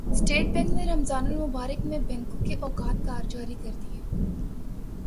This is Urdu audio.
اسٹیٹ بینک نے رمضان المبارک میں بینکوں کے اوقات کار جاری کردیے